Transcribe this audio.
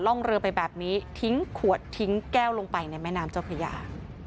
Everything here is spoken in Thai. ร่องเรือไปแบบนี้ทิ้งขวดทิ้งแก้วลงไปในแม่น้ำเจ้าพระยา